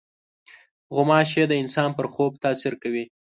غوماشې د انسان پر خوب تاثیر کوي.